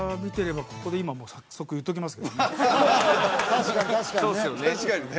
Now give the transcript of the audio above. その時確かに確かにね